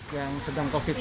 yang sedang covid ya